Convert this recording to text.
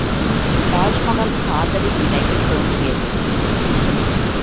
தாஜ்மகால், காதலி நினைவில் தோன்றியது.